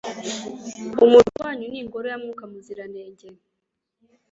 umubiri wanyu ni ingoro ya Mwuka Muziranenge.”